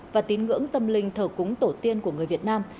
và tín ngưỡng tâm linh thờ cúng tổ tiên của người việt nam